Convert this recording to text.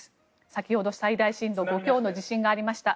先ほど、最大震度５強の地震がありました。